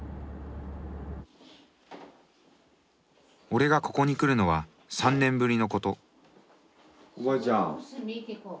俺がここに来るのは３年ぶりのことおばあちゃん。